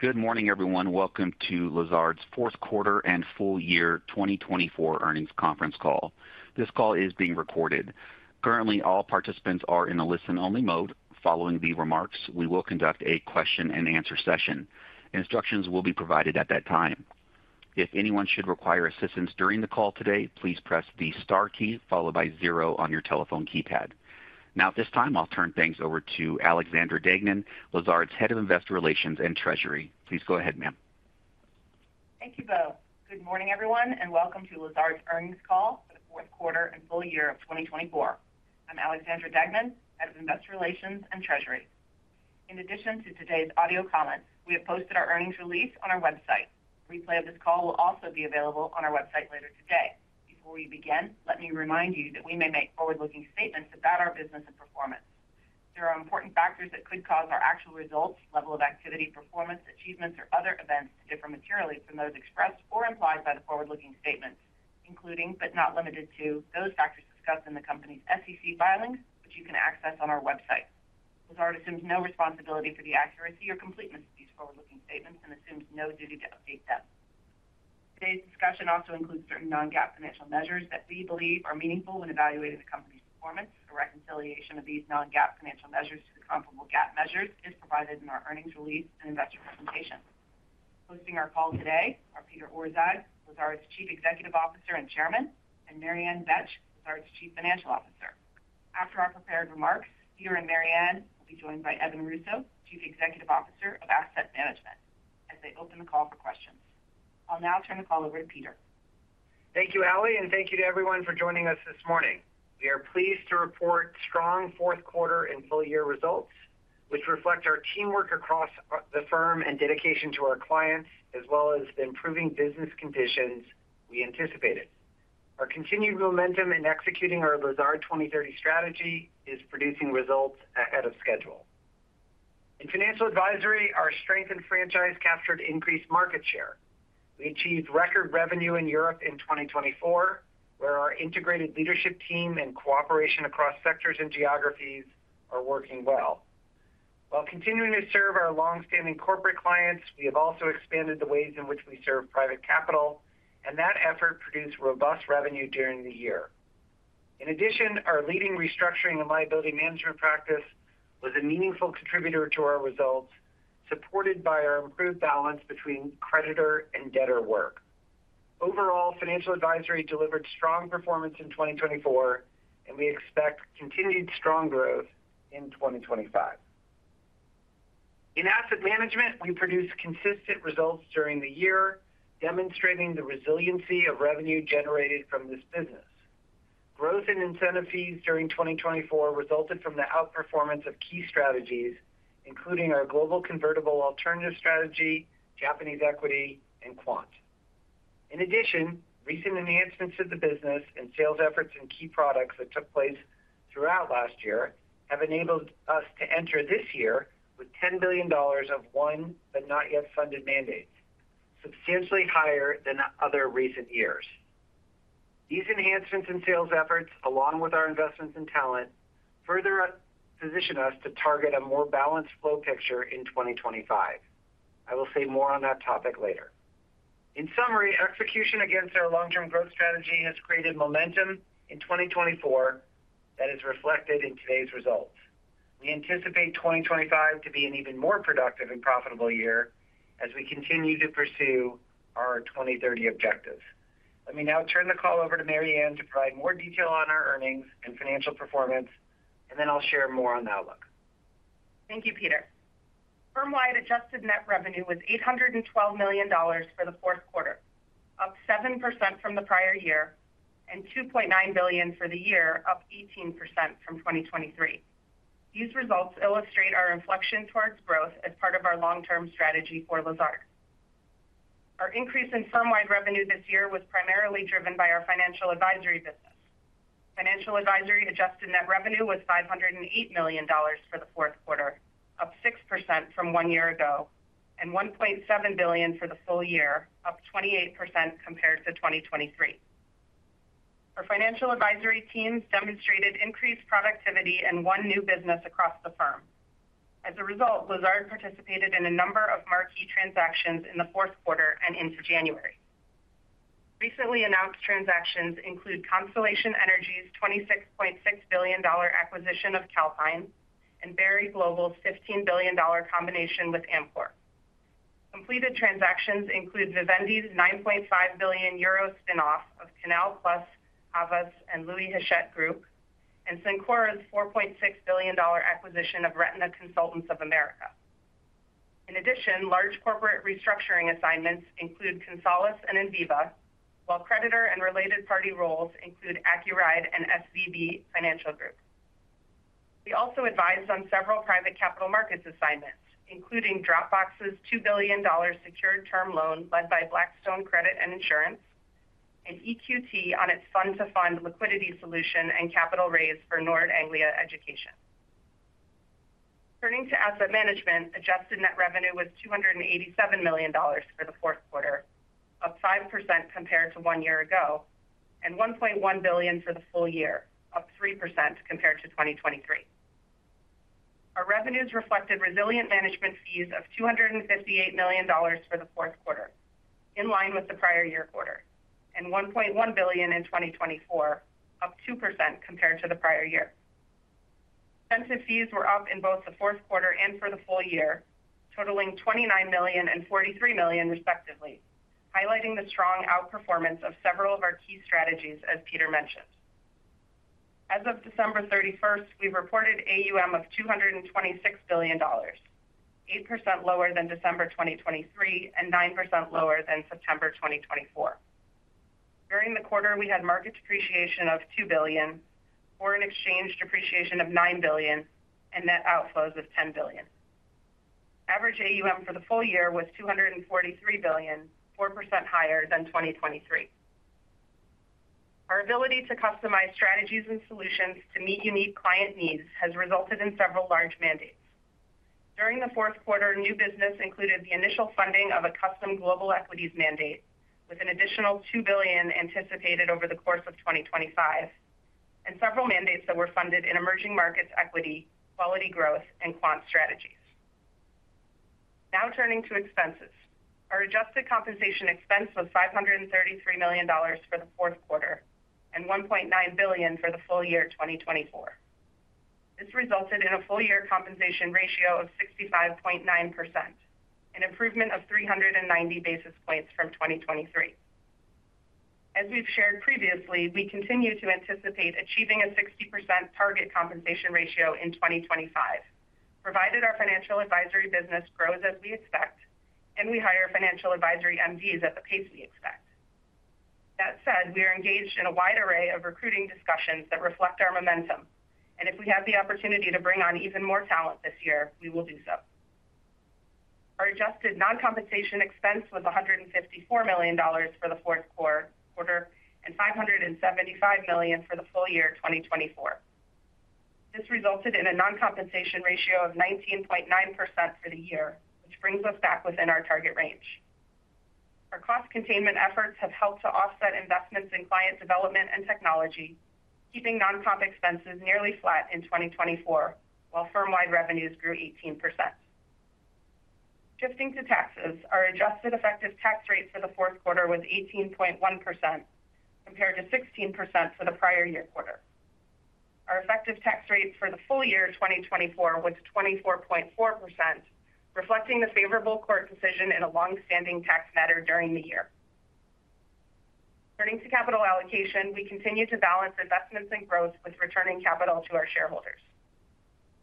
Good morning, everyone. Welcome to Lazard's fourth quarter and full year 2024 earnings conference call. This call is being recorded. Currently, all participants are in a listen-only mode. Following the remarks, we will conduct a question-and-answer session. Instructions will be provided at that time. If anyone should require assistance during the call today, please press the star key followed by zero on your telephone keypad. Now, at this time, I'll turn things over to Alexandra Deignan, Lazard's Head of Investor Relations and Treasury. Please go ahead, ma'am. Thank you both. Good morning, everyone, and welcome to Lazard's earnings call for the fourth quarter and full year of 2024. I'm Alexandra Deignan, Head of Investor Relations and Treasury. In addition to today's audio comments, we have posted our earnings release on our website. Replay of this call will also be available on our website later today. Before we begin, let me remind you that we may make forward-looking statements about our business and performance. There are important factors that could cause our actual results, level of activity, performance, achievements, or other events to differ materially from those expressed or implied by the forward-looking statements, including, but not limited to, those factors discussed in the company's SEC filings, which you can access on our website. Lazard assumes no responsibility for the accuracy or completeness of these forward-looking statements and assumes no duty to update them. Today's discussion also includes certain non-GAAP financial measures that we believe are meaningful when evaluating the company's performance. A reconciliation of these non-GAAP financial measures to the comparable GAAP measures is provided in our earnings release and investor presentation. Hosting our call today are Peter Orszag, Lazard's Chief Executive Officer and Chairman, and Mary Ann Betsch, Lazard's Chief Financial Officer. After our prepared remarks, Peter and Mary Ann will be joined by Evan Russo, Chief Executive Officer of Asset Management, as they open the call for questions. I'll now turn the call over to Peter. Thank you, Ali, and thank you to everyone for joining us this morning. We are pleased to report strong fourth quarter and full year results, which reflect our teamwork across the firm and dedication to our clients, as well as the improving business conditions we anticipated. Our continued momentum in executing our Lazard 2030 strategy is producing results ahead of schedule. In financial Advisory, our strength and franchise captured increased market share. We achieved record revenue in Europe in 2024, where our integrated leadership team and cooperation across sectors and geographies are working well. While continuing to serve our longstanding corporate clients, we have also expanded the ways in which we serve private capital, and that effort produced robust revenue during the year. In addition, our leading restructuring and liability management practice was a meaningful contributor to our results, supported by our improved balance between creditor and debtor work. Overall, financial Advisory delivered strong performance in 2024, and we expect continued strong growth in 2025. In Asset Management, we produced consistent results during the year, demonstrating the resiliency of revenue generated from this business. Growth in incentive fees during 2024 resulted from the outperformance of key strategies, including our global convertible alternative strategy, Japanese equity, and quant. In addition, recent enhancements to the business and sales efforts in key products that took place throughout last year have enabled us to enter this year with $10 billion of won but not yet funded mandates, substantially higher than other recent years. These enhancements in sales efforts, along with our investments in talent, further position us to target a more balanced flow picture in 2025. I will say more on that topic later. In summary, execution against our long-term growth strategy has created momentum in 2024 that is reflected in today's results. We anticipate 2025 to be an even more productive and profitable year as we continue to pursue our 2030 objectives. Let me now turn the call over to Mary Ann to provide more detail on our earnings and financial performance, and then I'll share more on that outlook. Thank you, Peter. Firm-wide adjusted net revenue was $812 million for the fourth quarter, up 7% from the prior year, and $2.9 billion for the year, up 18% from 2023. These results illustrate our inflection towards growth as part of our long-term strategy for Lazard. Our increase in firm-wide revenue this year was primarily driven by our Financial Advisory business. Financial Advisory adjusted net revenue was $508 million for the fourth quarter, up 6% from one year ago, and $1.7 billion for the full year, up 28% compared to 2023. Our Financial Advisory teams demonstrated increased productivity and won new business across the firm. As a result, Lazard participated in a number of marquee transactions in the fourth quarter and into January. Recently announced transactions include Constellation Energy's $26.6 billion acquisition of Calpine and Berry Global's $15 billion combination with Amcor. Completed transactions include Vivendi's $9.5 billion spinoff of Canal+, Havas, and Louis Hachette Group, and Cencora's $4.6 billion acquisition of Retina Consultants of America. In addition, large corporate restructuring assignments include Consolis and Enviva, while creditor and related party roles include Accuride and SVB Financial Group. We also advised on several private capital markets assignments, including Dropbox's $2 billion secured term loan led by Blackstone Credit and Insurance, and EQT on its fund-to-fund liquidity solution and capital raise for Nord Anglia Education. Turning to Asset Management, adjusted net revenue was $287 million for the fourth quarter, up 5% compared to one year ago, and $1.1 billion for the full year, up 3% compared to 2023. Our revenues reflected resilient management fees of $258 million for the fourth quarter, in line with the prior year quarter, and $1.1 billion in 2024, up 2% compared to the prior year. Incentive fees were up in both the fourth quarter and for the full year, totaling $29 million and $43 million, respectively, highlighting the strong outperformance of several of our key strategies, as Peter mentioned. As of December 31st, we reported AUM of $226 billion, 8% lower than December 2023 and 9% lower than September 2024. During the quarter, we had market depreciation of $2 billion, foreign exchange depreciation of $9 billion, and net outflows of $10 billion. Average AUM for the full year was $243 billion, 4% higher than 2023. Our ability to customize strategies and solutions to meet unique client needs has resulted in several large mandates. During the fourth quarter, new business included the initial funding of a custom global equities mandate, with an additional $2 billion anticipated over the course of 2025, and several mandates that were funded in emerging markets equity, quality growth, and quant strategies. Now turning to expenses, our adjusted compensation expense was $533 million for the fourth quarter and $1.9 billion for the full year 2024. This resulted in a full year compensation ratio of 65.9%, an improvement of 390 basis points from 2023. As we've shared previously, we continue to anticipate achieving a 60% target compensation ratio in 2025, provided our financial Advisory business grows as we expect and we hire financial Advisory MDs at the pace we expect. That said, we are engaged in a wide array of recruiting discussions that reflect our momentum, and if we have the opportunity to bring on even more talent this year, we will do so. Our adjusted non-compensation expense was $154 million for the fourth quarter and $575 million for the full year 2024. This resulted in a non-compensation ratio of 19.9% for the year, which brings us back within our target range. Our cost containment efforts have helped to offset investments in client development and technology, keeping non-comp expenses nearly flat in 2024, while firm-wide revenues grew 18%. Shifting to taxes, our adjusted effective tax rate for the fourth quarter was 18.1%, compared to 16% for the prior year quarter. Our effective tax rate for the full year 2024 was 24.4%, reflecting the favorable court decision in a longstanding tax matter during the year. Turning to capital allocation, we continue to balance investments and growth with returning capital to our shareholders.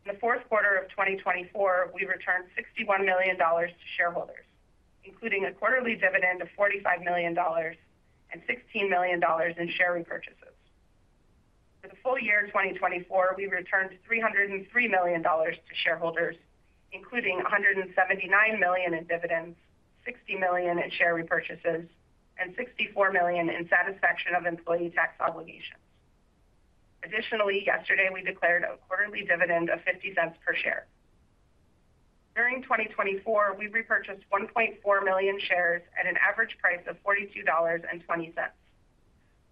In the fourth quarter of 2024, we returned $61 million to shareholders, including a quarterly dividend of $45 million and $16 million in share repurchases. For the full year 2024, we returned $303 million to shareholders, including $179 million in dividends, $60 million in share repurchases, and $64 million in satisfaction of employee tax obligations. Additionally, yesterday, we declared a quarterly dividend of $0.50 per share. During 2024, we repurchased 1.4 million shares at an average price of $42.20.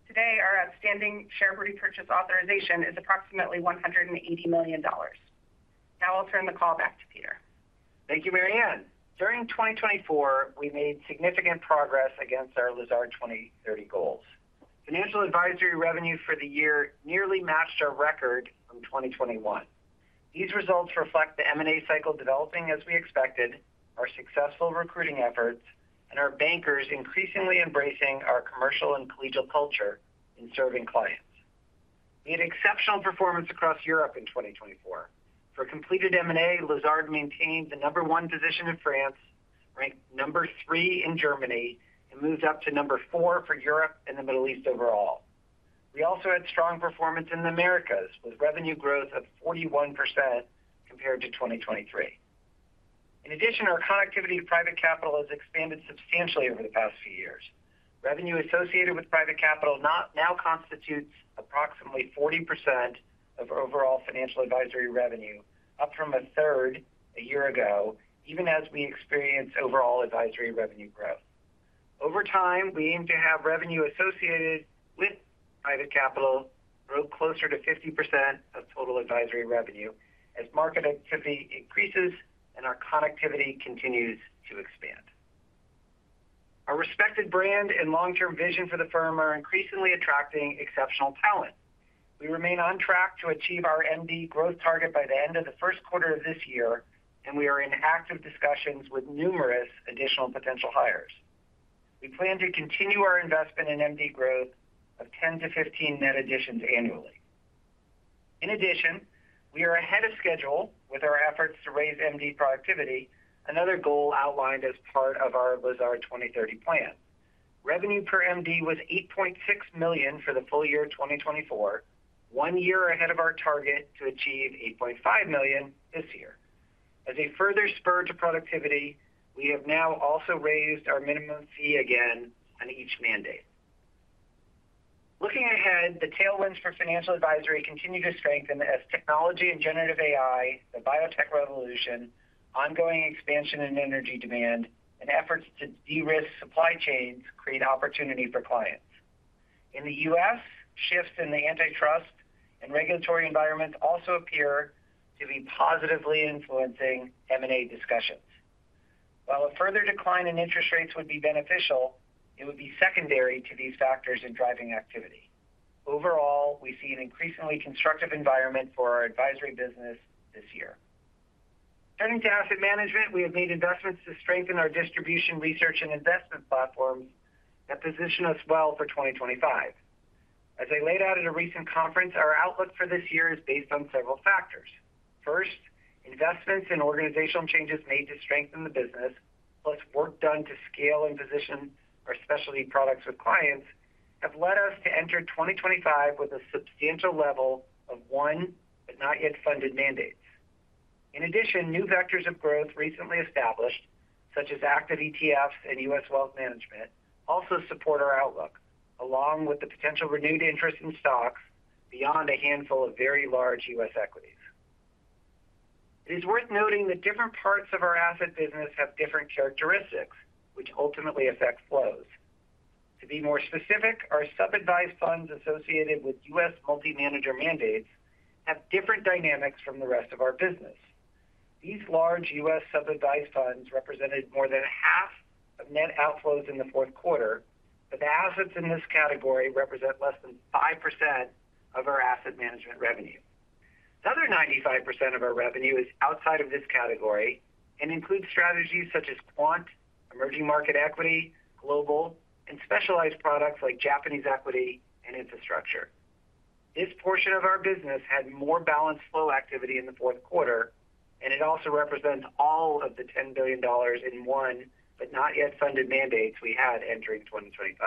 Today, our outstanding share repurchase authorization is approximately $180 million. Now I'll turn the call back to Peter. Thank you, Mary Ann. During 2024, we made significant progress against our Lazard 2030 goals. Financial Advisory revenue for the year nearly matched our record from 2021. These results reflect the M&A cycle developing as we expected, our successful recruiting efforts, and our bankers increasingly embracing our commercial and collegial culture in serving clients. We had exceptional performance across Europe in 2024. In completed M&A, Lazard maintained the number one position in France, ranked number three in Germany, and moved up to number four for Europe and the Middle East overall. We also had strong performance in the Americas with revenue growth of 41% compared to 2023. In addition, our connectivity to private capital has expanded substantially over the past few years. Revenue associated with private capital now constitutes approximately 40% of overall financial Advisory revenue, up from a third a year ago, even as we experience overall Advisory revenue growth. Over time, we aim to have revenue associated with private capital grow closer to 50% of total Advisory revenue as market activity increases and our connectivity continues to expand. Our respected brand and long-term vision for the firm are increasingly attracting exceptional talent. We remain on track to achieve our MD growth target by the end of the first quarter of this year, and we are in active discussions with numerous additional potential hires. We plan to continue our investment in MD growth of 10-15 net additions annually. In addition, we are ahead of schedule with our efforts to raise MD productivity, another goal outlined as part of our Lazard 2030 plan. Revenue per MD was $8.6 million for the full year 2024, one year ahead of our target to achieve $8.5 million this year. As a further spur to productivity, we have now also raised our minimum fee again on each mandate. Looking ahead, the tailwinds for financial Advisory continue to strengthen as technology and generative AI, the biotech revolution, ongoing expansion in energy demand, and efforts to de-risk supply chains create opportunity for clients. In the U.S., shifts in the antitrust and regulatory environment also appear to be positively influencing M&A discussions. While a further decline in interest rates would be beneficial, it would be secondary to these factors in driving activity. Overall, we see an increasingly constructive environment for our Advisory business this year. Turning to Asset Management, we have made investments to strengthen our distribution, research, and investment platforms that position us well for 2025. As I laid out at a recent conference, our outlook for this year is based on several factors. First, investments and organizational changes made to strengthen the business, plus work done to scale and position our specialty products with clients, have led us to enter 2025 with a substantial level of won but not yet funded mandates. In addition, new vectors of growth recently established, such as active ETFs and U.S. wealth management, also support our outlook, along with the potential renewed interest in stocks beyond a handful of very large U.S. equities. It is worth noting that different parts of our asset business have different characteristics, which ultimately affect flows. To be more specific, our sub-advised funds associated with U.S. multi-manager mandates have different dynamics from the rest of our business. These large U.S. sub-advised funds represented more than half of net outflows in the fourth quarter, but the assets in this category represent less than 5% of our Asset Management revenue. The other 95% of our revenue is outside of this category and includes strategies such as quant, emerging market equity, global, and specialized products like Japanese equity and infrastructure. This portion of our business had more balanced flow activity in the fourth quarter, and it also represents all of the $10 billion in inbound but not yet funded mandates we had entering 2025.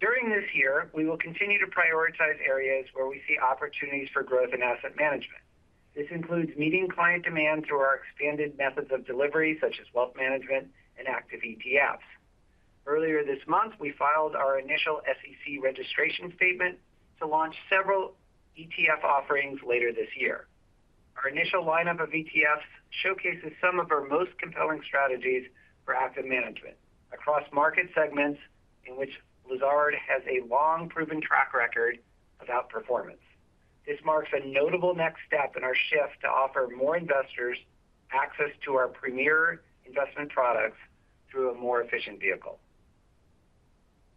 During this year, we will continue to prioritize areas where we see opportunities for growth in Asset Management. This includes meeting client demand through our expanded methods of delivery, such as wealth management and active ETFs. Earlier this month, we filed our initial SEC registration statement to launch several ETF offerings later this year. Our initial lineup of ETFs showcases some of our most compelling strategies for active management across market segments in which Lazard has a long-proven track record of outperformance. This marks a notable next step in our shift to offer more investors access to our premier investment products through a more efficient vehicle.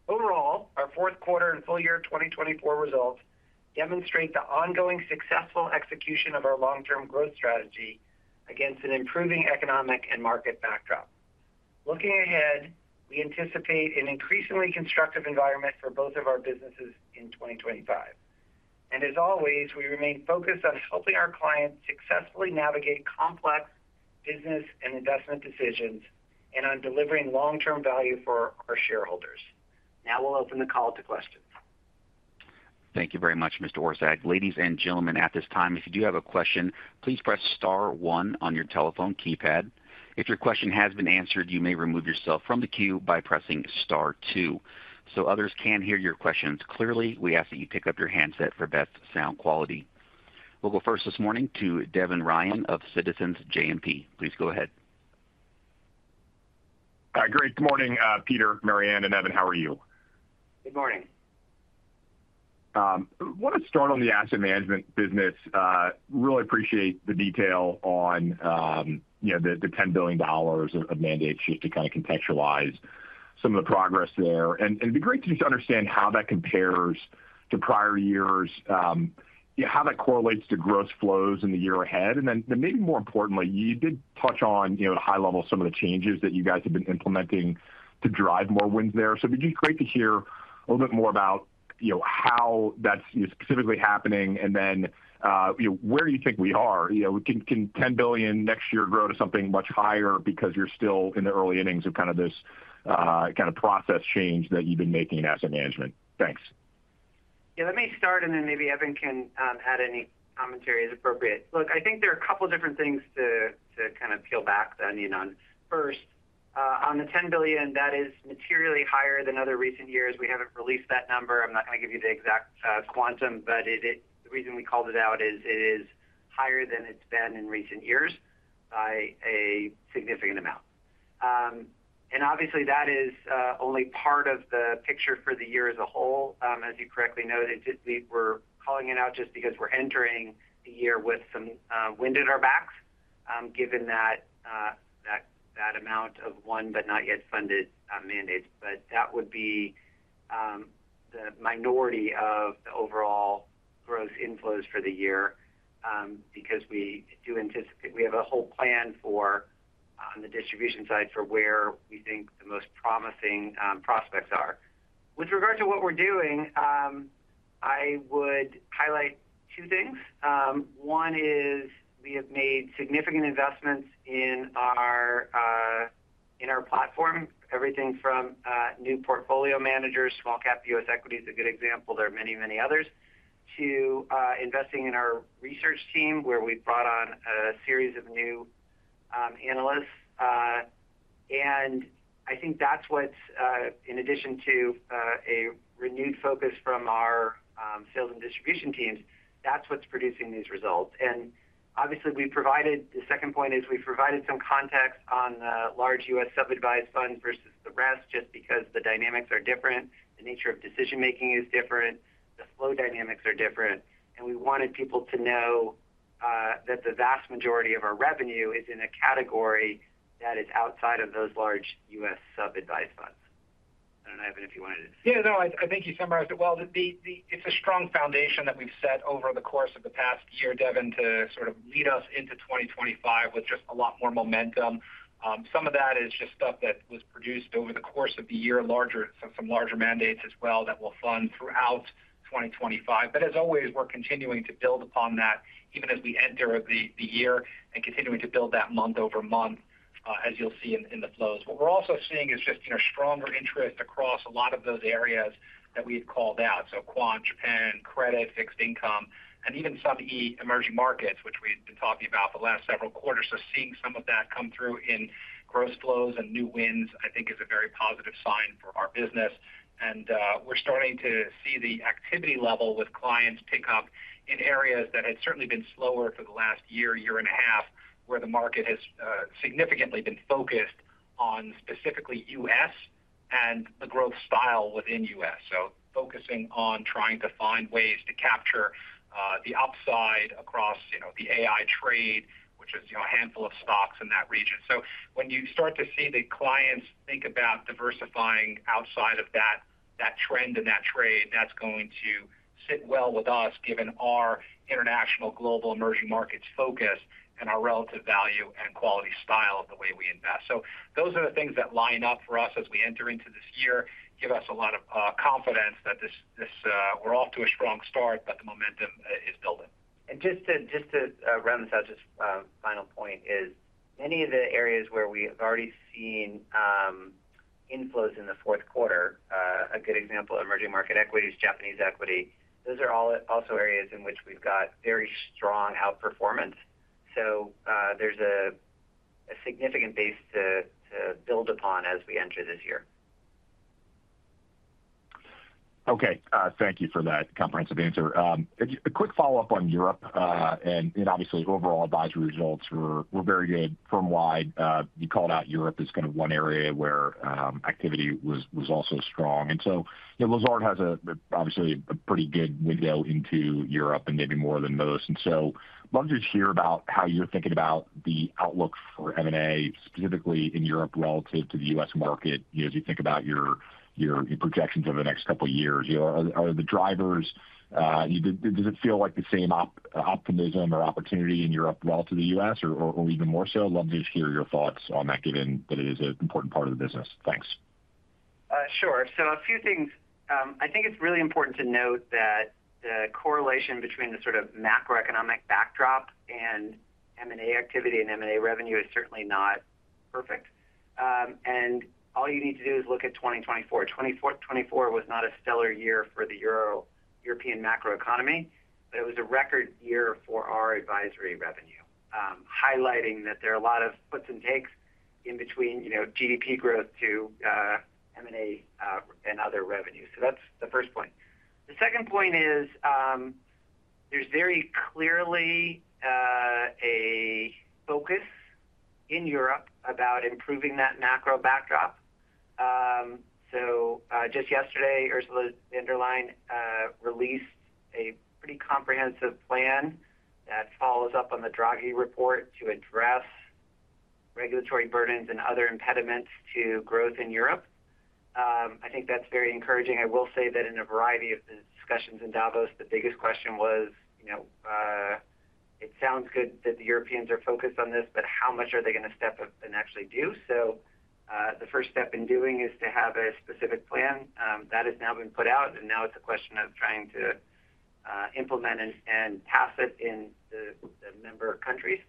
Overall, our fourth quarter and full year 2024 results demonstrate the ongoing successful execution of our long-term growth strategy against an improving economic and market backdrop. Looking ahead, we anticipate an increasingly constructive environment for both of our businesses in 2025, and as always, we remain focused on helping our clients successfully navigate complex business and investment decisions and on delivering long-term value for our shareholders. Now we'll open the call to questions. Thank you very much, Mr. Orszag. Ladies and gentlemen, at this time, if you do have a question, please press star one on your telephone keypad. If your question has been answered, you may remove yourself from the queue by pressing star two. So others can hear your questions clearly, we ask that you pick up your handset for best sound quality. We'll go first this morning to Devin Ryan of Citizens JMP. Please go ahead. Great. Good morning, Peter, Mary Ann, and Evan. How are you? Good morning. I want to start on the Asset Management business. Really appreciate the detail on the $10 billion of mandates just to kind of contextualize some of the progress there, and it'd be great to just understand how that compares to prior years, how that correlates to gross flows in the year ahead, and then maybe more importantly, you did touch on at a high level some of the changes that you guys have been implementing to drive more wins there, so it'd be just great to hear a little bit more about how that's specifically happening and then where you think we are. Can $10 billion next year grow to something much higher because you're still in the early innings of kind of this kind of process change that you've been making in Asset Management? Thanks. Yeah, let me start, and then maybe Evan can add any commentary as appropriate. Look, I think there are a couple of different things to kind of peel back the onion on. First, on the $10 billion, that is materially higher than other recent years. We haven't released that number. I'm not going to give you the exact quantum, but the reason we called it out is it is higher than it's been in recent years by a significant amount. And obviously, that is only part of the picture for the year as a whole. As you correctly noted, we were calling it out just because we're entering the year with some wind in our backs, given that amount of unfunded mandates. But that would be the minority of the overall gross inflows for the year because we do anticipate we have a whole plan on the distribution side for where we think the most promising prospects are. With regard to what we're doing, I would highlight two things. One is we have made significant investments in our platform, everything from new portfolio managers, small-cap U.S. equity is a good example. There are many, many others, to investing in our research team where we've brought on a series of new analysts. And I think that's what, in addition to a renewed focus from our sales and distribution teams, that's what's producing these results. And obviously, we've provided the second point is we've provided some context on the large U.S. sub-advised funds versus the rest just because the dynamics are different, the nature of decision-making is different, the flow dynamics are different. We wanted people to know that the vast majority of our revenue is in a category that is outside of those large U.S. sub-advised funds. I don't know, Evan, if you wanted to. Yeah, no, I think you summarized it well. It's a strong foundation that we've set over the course of the past year, Devin, to sort of lead us into 2025 with just a lot more momentum. Some of that is just stuff that was produced over the course of the year, some larger mandates as well that we'll fund throughout 2025. As always, we're continuing to build upon that even as we enter the year and continuing to build that month over month, as you'll see in the flows. What we're also seeing is just stronger interest across a lot of those areas that we had called out. So quant, Japan, credit, fixed income, and even some emerging markets, which we've been talking about the last several quarters. So seeing some of that come through in gross flows and new wins, I think, is a very positive sign for our business. And we're starting to see the activity level with clients pick up in areas that had certainly been slower for the last year, year and a half, where the market has significantly been focused on specifically U.S. and the growth style within U.S. So focusing on trying to find ways to capture the upside across the AI trade, which is a handful of stocks in that region. So when you start to see the clients think about diversifying outside of that trend and that trade, that's going to sit well with us given our international global emerging markets focus and our relative value and quality style of the way we invest. So those are the things that line up for us as we enter into this year, give us a lot of confidence that we're off to a strong start, but the momentum is building. And just to round this out, just final point is many of the areas where we have already seen inflows in the fourth quarter, a good example of emerging market equities, Japanese equity, those are also areas in which we've got very strong outperformance. So there's a significant base to build upon as we enter this year. Okay. Thank you for that comprehensive answer. A quick follow-up on Europe and obviously overall Advisory results were very good firm-wide. You called out Europe as kind of one area where activity was also strong. And so Lazard has obviously a pretty good window into Europe and maybe more than most. And so I'd love to just hear about how you're thinking about the outlook for M&A, specifically in Europe relative to the U.S. market as you think about your projections over the next couple of years. Are the drivers, does it feel like the same optimism or opportunity in Europe relative to the U.S. or even more so? I'd love to just hear your thoughts on that, given that it is an important part of the business. Thanks. Sure, so a few things. I think it's really important to note that the correlation between the sort of macroeconomic backdrop and M&A activity and M&A revenue is certainly not perfect, and all you need to do is look at 2024. 2024 was not a stellar year for the European macroeconomy, but it was a record year for our Advisory revenue, highlighting that there are a lot of puts and takes in between GDP growth to M&A and other revenues, so that's the first point. The second point is there's very clearly a focus in Europe about improving that macro backdrop, so just yesterday, Ursula von der Leyen released a pretty comprehensive plan that follows up on the Draghi report to address regulatory burdens and other impediments to growth in Europe. I think that's very encouraging. I will say that in a variety of the discussions in Davos, the biggest question was, it sounds good that the Europeans are focused on this, but how much are they going to step up and actually do? So the first step in doing is to have a specific plan. That has now been put out, and now it's a question of trying to implement and pass it in the member countries.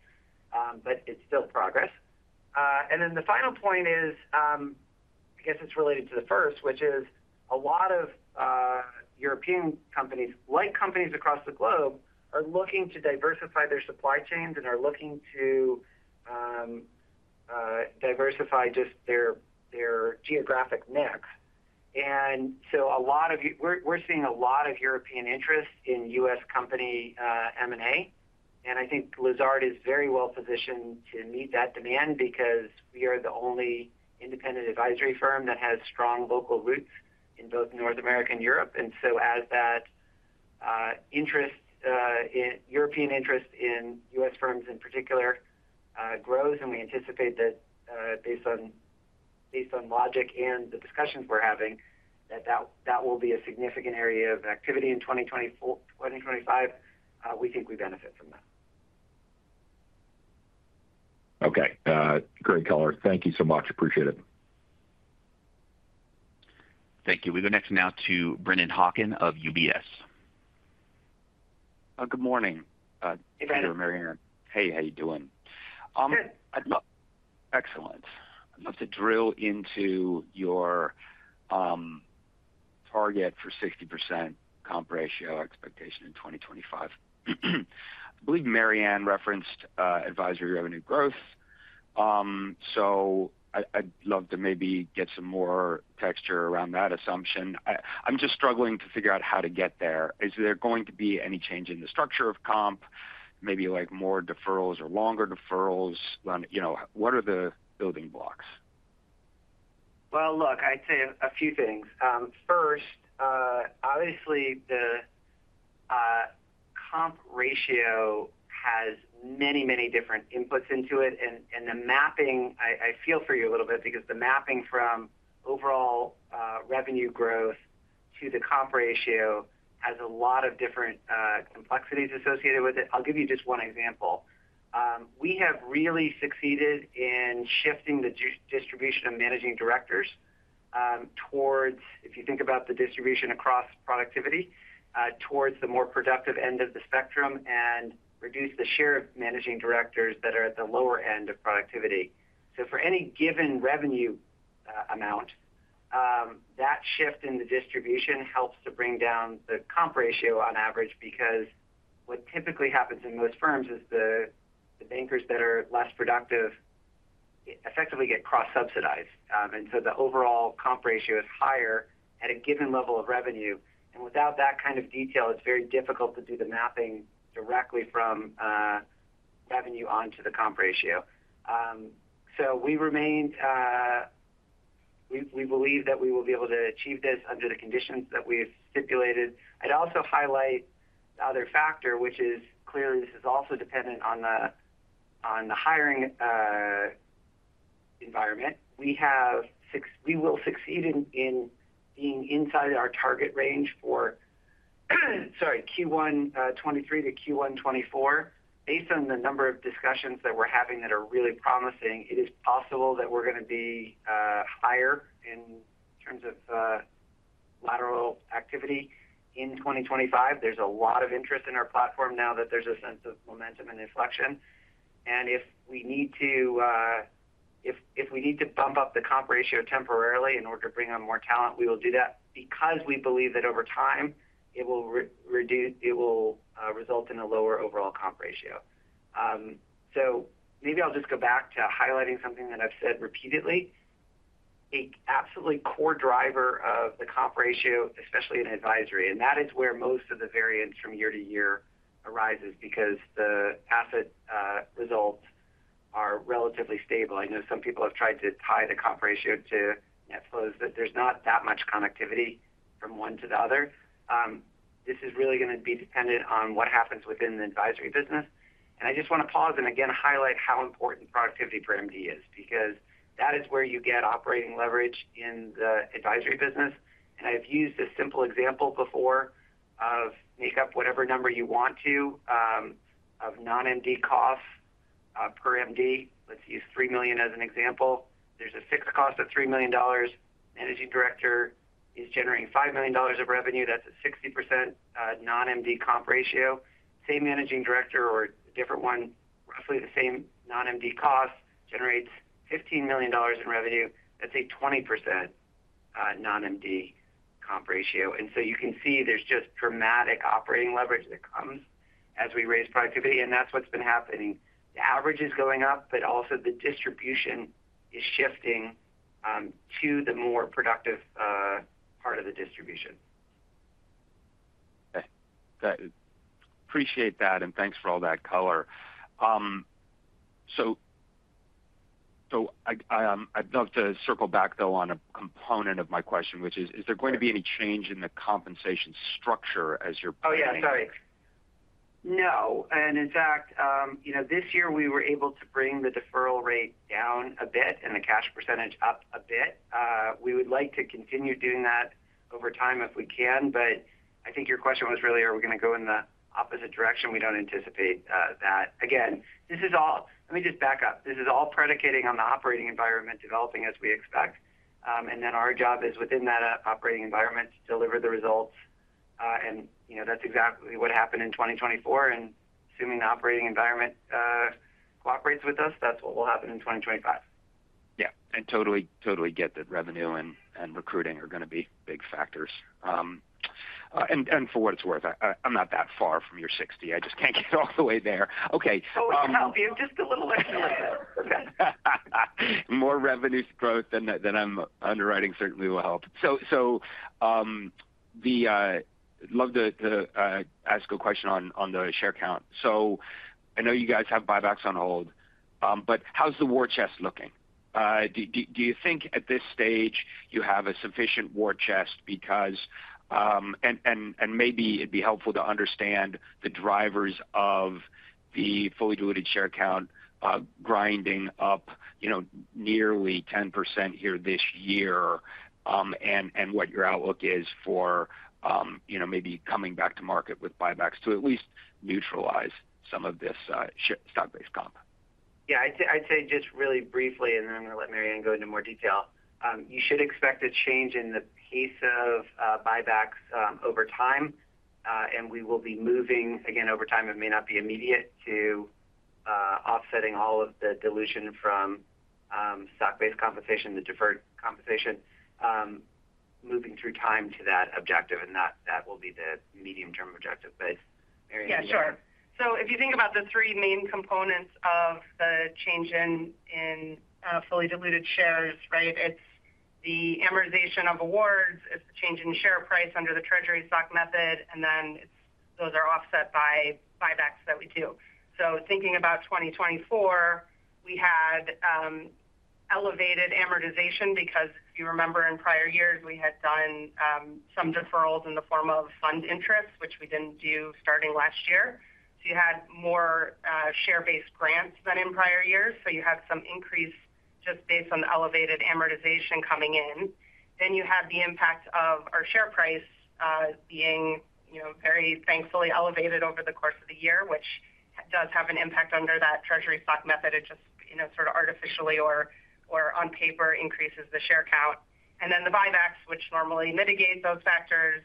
But it's still progress. And then the final point is, I guess it's related to the first, which is a lot of European companies, like companies across the globe, are looking to diversify their supply chains and are looking to diversify just their geographic mix. And so we're seeing a lot of European interest in U.S. company M&A. I think Lazard is very well positioned to meet that demand because we are the only independent Advisory firm that has strong local roots in both North America and Europe. So as that interest, European interest in U.S. firms in particular, grows, and we anticipate that based on logic and the discussions we're having, that that will be a significant area of activity in 2024, 2025. We think we benefit from that. Okay. Great color. Thank you so much. Appreciate it. Thank you. We go next now to Brennan Hawken of UBS. Good morning, Peter or Mary Ann. Hey, how are you doing? Good. Excellent. I'd love to drill into your target for 60% comp ratio expectation in 2025. I believe Mary Ann referenced Advisory revenue growth. So I'd love to maybe get some more texture around that assumption. I'm just struggling to figure out how to get there. Is there going to be any change in the structure of comp, maybe more deferrals or longer deferrals? What are the building blocks? Look, I'd say a few things. First, obviously, the comp ratio has many, many different inputs into it. The mapping, I feel for you a little bit because the mapping from overall revenue growth to the comp ratio has a lot of different complexities associated with it. I'll give you just one example. We have really succeeded in shifting the distribution of managing directors towards, if you think about the distribution across productivity, towards the more productive end of the spectrum and reduce the share of managing directors that are at the lower end of productivity. For any given revenue amount, that shift in the distribution helps to bring down the comp ratio on average because what typically happens in most firms is the bankers that are less productive effectively get cross-subsidized. The overall comp ratio is higher at a given level of revenue. Without that kind of detail, it's very difficult to do the mapping directly from revenue onto the comp ratio. So we believe that we will be able to achieve this under the conditions that we've stipulated. I'd also highlight the other factor, which is clearly this is also dependent on the hiring environment. We will succeed in being inside our target range for, sorry, Q1 2023 to Q1 2024. Based on the number of discussions that we're having that are really promising, it is possible that we're going to be higher in terms of lateral activity in 2025. There's a lot of interest in our platform now that there's a sense of momentum and inflection. And if we need to, if we need to bump up the comp ratio temporarily in order to bring on more talent, we will do that because we believe that over time it will result in a lower overall comp ratio. So maybe I'll just go back to highlighting something that I've said repeatedly. An absolutely core driver of the comp ratio, especially in Advisory. And that is where most of the variance from year to year arises because the asset results are relatively stable. I know some people have tried to tie the comp ratio to Netflix, but there's not that much connectivity from one to the other. This is really going to be dependent on what happens within the Advisory business. And I just want to pause and again highlight how important productivity for MD is because that is where you get operating leverage in the Advisory business. I've used a simple example before of make up whatever number you want to of non-MD cost per MD. Let's use 3 million as an example. There's a fixed cost of $3 million. Managing director is generating $5 million of revenue. That's a 60% non-MD comp ratio. Same managing director or a different one, roughly the same non-MD cost generates $15 million in revenue. That's a 20% non-MD comp ratio. And so you can see there's just dramatic operating leverage that comes as we raise productivity. And that's what's been happening. The average is going up, but also the distribution is shifting to the more productive part of the distribution. Okay. Appreciate that. And thanks for all that color. So I'd love to circle back, though, on a component of my question, which is, is there going to be any change in the compensation structure as you're pushing? Oh, yeah, sorry. No. And in fact, this year we were able to bring the deferral rate down a bit and the cash percentage up a bit. We would like to continue doing that over time if we can. But I think your question was really, are we going to go in the opposite direction? We don't anticipate that. Again, this is all let me just back up. This is all predicated on the operating environment developing as we expect. And then our job is within that operating environment to deliver the results. And that's exactly what happened in 2024. And assuming the operating environment cooperates with us, that's what will happen in 2025. Yeah. I totally, totally get that revenue and recruiting are going to be big factors. And for what it's worth, I'm not that far from your 60. I just can't get all the way there. Okay. Oh, we can help you. Just a little extra revenue. More revenue growth than I'm underwriting certainly will help. So I'd love to ask a question on the share count. So I know you guys have buybacks on hold, but how's the war chest looking? Do you think at this stage you have a sufficient war chest because and maybe it'd be helpful to understand the drivers of the fully diluted share count grinding up nearly 10% here this year and what your outlook is for maybe coming back to market with buybacks to at least neutralize some of this stock-based comp? Yeah. I'd say just really briefly, and then I'm going to let Mary Ann go into more detail. You should expect a change in the pace of buybacks over time. And we will be moving, again, over time. It may not be immediate to offsetting all of the dilution from stock-based compensation, the deferred compensation, moving through time to that objective. And that will be the medium-term objective. But Mary Ann can give you that. Yeah, sure. So if you think about the three main components of the change in fully diluted shares, right, it's the amortization of awards, it's the change in share price under the treasury stock method, and then those are offset by buybacks that we do. So thinking about 2024, we had elevated amortization because if you remember in prior years, we had done some deferrals in the form of fund interest, which we didn't do starting last year. So you had more share-based grants than in prior years. So you had some increase just based on the elevated amortization coming in. Then you had the impact of our share price being very thankfully elevated over the course of the year, which does have an impact under that treasury stock method. It just sort of artificially or on paper increases the share count. And then the buybacks, which normally mitigate those factors,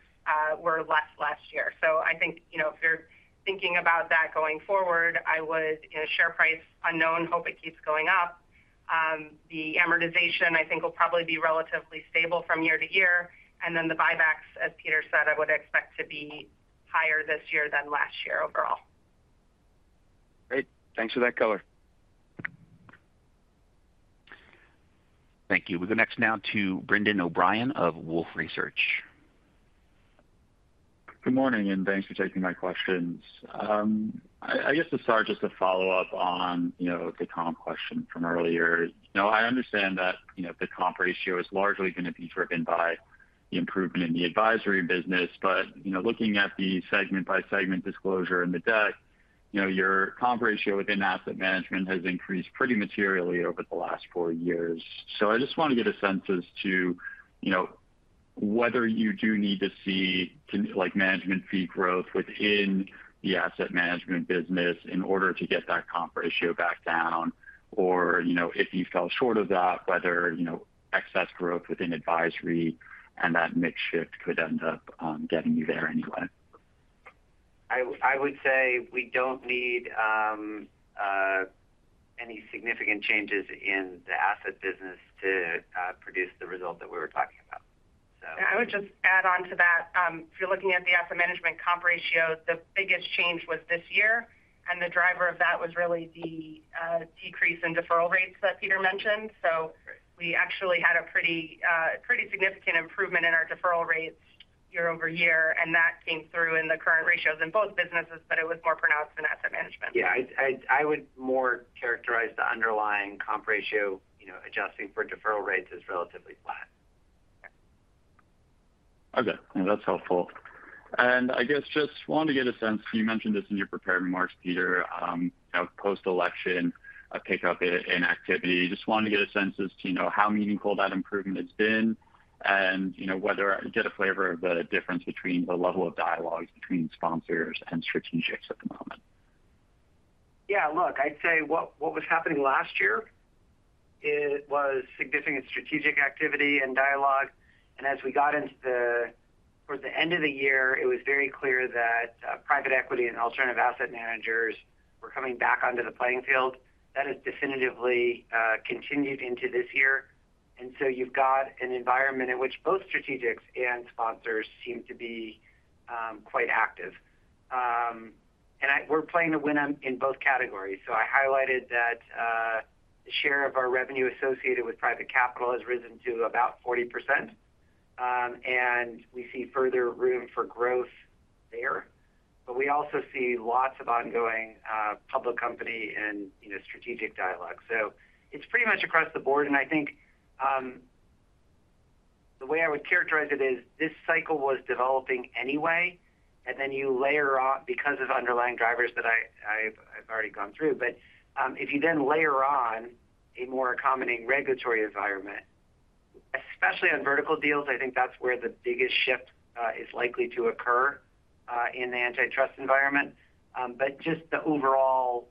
were less last year. So I think if you're thinking about that going forward, I would say share price, you know, hope it keeps going up. The amortization, I think, will probably be relatively stable from year to year. And then the buybacks, as Peter said, I would expect to be higher this year than last year overall. Great. Thanks for that color. Thank you. We go next now to Brendan O’Brien of Wolfe Research. Good morning, and thanks for taking my questions. I guess to start, just to follow up on the comp question from earlier. I understand that the comp ratio is largely going to be driven by the improvement in the Advisory business. But looking at the segment-by-segment disclosure in the deck, your comp ratio within asset management has increased pretty materially over the last four years. So I just want to get a sense as to whether you do need to see management fee growth within the asset management business in order to get that comp ratio back down, or if you fell short of that, whether excess growth within Advisory and that mix shift could end up getting you there anyway. I would say we don't need any significant changes in the asset business to produce the result that we were talking about, so. I would just add on to that. If you're looking at the asset management comp ratio, the biggest change was this year. And the driver of that was really the decrease in deferral rates that Peter mentioned. So we actually had a pretty significant improvement in our deferral rates year-over-year. And that came through in the current ratios in both businesses, but it was more pronounced in asset management. Yeah. I would more characterize the underlying comp ratio adjusting for deferral rates as relatively flat. Okay. That's helpful, and I guess just wanted to get a sense, you mentioned this in your prepared remarks, Peter, post-election, a pickup in activity. Just wanted to get a sense as to how meaningful that improvement has been and get a flavor of the difference between the level of dialogue between sponsors and strategics at the moment. Yeah. Look, I'd say what was happening last year was significant strategic activity and dialogue. And as we got towards the end of the year, it was very clear that private equity and alternative asset managers were coming back onto the playing field. That has definitively continued into this year. And so you've got an environment in which both strategics and sponsors seem to be quite active. And we're playing a win in both categories. So I highlighted that the share of our revenue associated with private capital has risen to about 40%. And we see further room for growth there. But we also see lots of ongoing public company and strategic dialogue. So it's pretty much across the board. And I think the way I would characterize it is this cycle was developing anyway. And then you layer on because of underlying drivers that I've already gone through. But if you then layer on a more accommodating regulatory environment, especially on vertical deals, I think that's where the biggest shift is likely to occur in the antitrust environment. But just the overall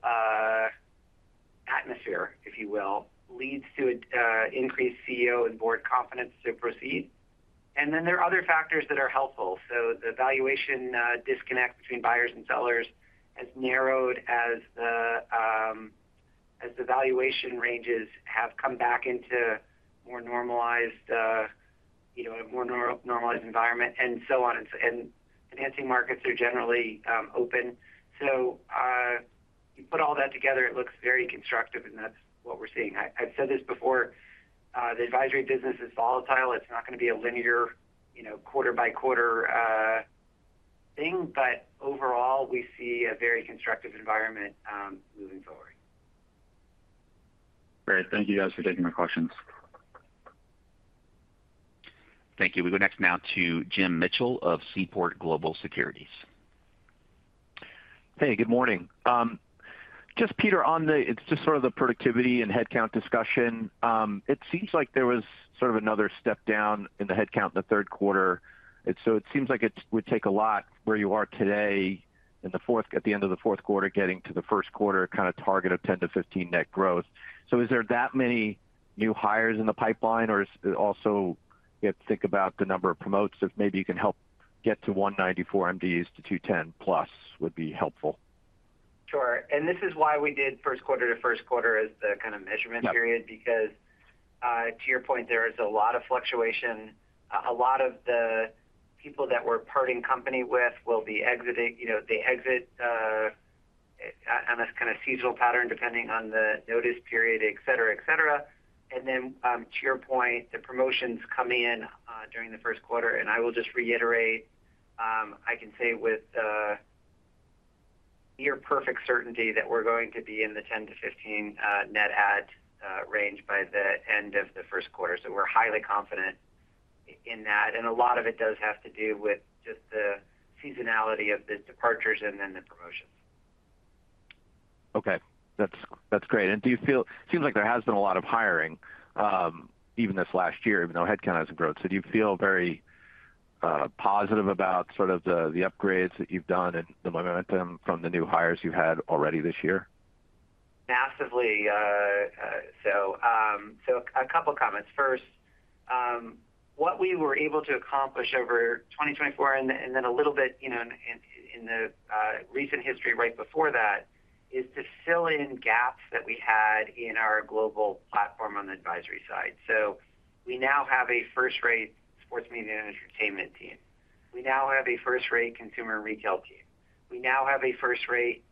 atmosphere, if you will, leads to an increased CEO and board confidence to proceed. And then there are other factors that are helpful. So the valuation disconnect between buyers and sellers has narrowed as the valuation ranges have come back into a more normalized environment and so on. And emerging markets are generally open. So you put all that together, it looks very constructive, and that's what we're seeing. I've said this before. The Advisory business is volatile. It's not going to be a linear quarter-by-quarter thing. But overall, we see a very constructive environment moving forward. Great. Thank you, guys, for taking my questions. Thank you. We go next now to Jim Mitchell of Seaport Global Securities. Hey, good morning. Just, Peter, on the it's just sort of the productivity and headcount discussion. It seems like there was sort of another step down in the headcount in the third quarter. So it seems like it would take a lot where you are today at the end of the fourth quarter getting to the first quarter kind of target of 10-15 net growth. So is there that many new hires in the pipeline, or also you have to think about the number of promotes if maybe you can help get to 194 MDs to 210+? Would be helpful? Sure. And this is why we did first quarter to first quarter as the kind of measurement period because to your point, there is a lot of fluctuation. A lot of the people that we're parting company with will be exiting. They exit on this kind of seasonal pattern depending on the notice period, etc., etc. And then to your point, the promotions come in during the first quarter. And I will just reiterate, I can say with near perfect certainty that we're going to be in the 10-15 net add range by the end of the first quarter. So we're highly confident in that. And a lot of it does have to do with just the seasonality of the departures and then the promotions. Okay. That's great. And it seems like there has been a lot of hiring even this last year, even though headcount hasn't grown. So do you feel very positive about sort of the upgrades that you've done and the momentum from the new hires you've had already this year? Massively. So a couple of comments. First, what we were able to accomplish over 2024 and then a little bit in the recent history right before that is to fill in gaps that we had in our global platform on the Advisory side. So we now have a first-rate sports media and entertainment team. We now have a first-rate consumer retail team. We now have a first-rate